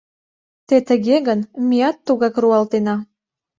Те тыге гын, меат тугак руалтена.